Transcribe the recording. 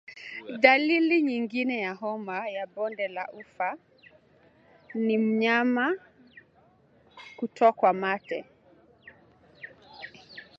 Dalili nyingine ya homa ya bonde la ufa ni mnyama kutokwa mate